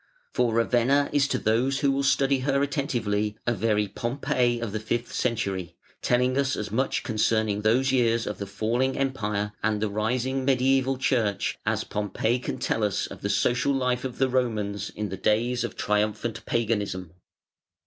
For Ravenna is to those who will study her attentively a very Pompeii of the fifth century, telling us as much concerning those years of the falling Empire and the rising Mediæval Church as Pompeii can tell us of the social life of the Romans in the days of triumphant Paganism.